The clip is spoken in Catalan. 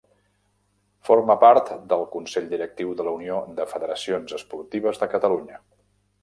Forma part del Consell Directiu de la Unió de Federacions Esportives de Catalunya.